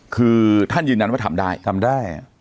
คือท่านยืนยันว่าทำได้ทำได้